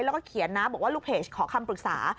แล้วก็เขียนนะบอกว่าลูกเพจขอคำปรึกษา